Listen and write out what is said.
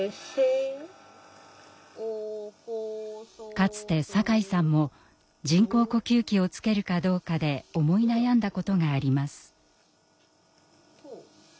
かつて酒井さんも人工呼吸器をつけるかどうかで思い悩んだことがあります。